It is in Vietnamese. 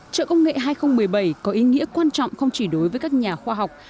trợ công nghệ hai nghìn một mươi bảy có ý nghĩa quan trọng không chỉ đối với các nhà khoa học